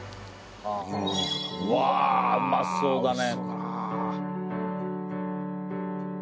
うわぁうまそうだね！